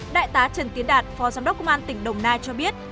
đại tá trần tiến đạt phó giám đốc công an tỉnh đồng nai cho biết